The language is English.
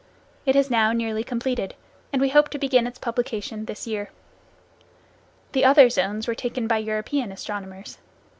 It is now nearly completed, and we hope to begin its publication this year. The other zones were taken by European astronomers.